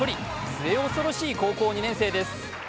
末恐ろしい高校２年生です。